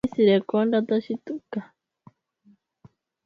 kaskazini mashariki mwa Brazil kwa joto la thelathini na tano